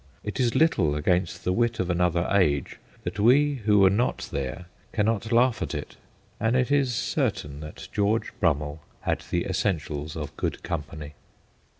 It is little against the wit of another age that we, who were not there, cannot laugh at it, and it is certain that 1 DISHED' 47 George Brammell had the essentials of good company.